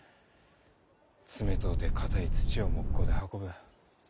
冷とうて硬い土をモッコで運ぶ。